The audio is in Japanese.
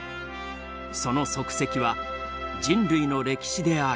その足跡は人類の歴史である。